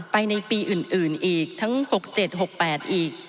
ไปในปีอื่นอื่นอีกทั้งหกเจ็ดหกแปดอีก